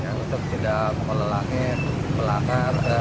untuk tidak mengelelahin pelanggaran